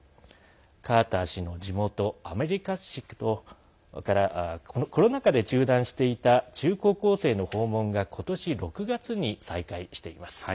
カーター氏の地元アメリカス市とコロナ禍で中断していた中高校生の訪問が今年６月に再開しています。